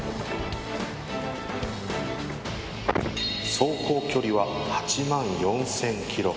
走行距離は８万 ４０００ｋｍ